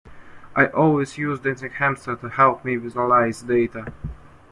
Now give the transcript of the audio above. I always use dancing hamsters to help me visualise data.